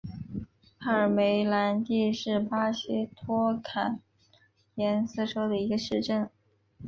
帕尔梅兰蒂是巴西托坎廷斯州的一个市镇。